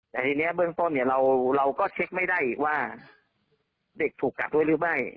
แต่ทีนี้เราก็เช็คไม่ได้ว่าเด็กถูกกักด้วยหรือไม่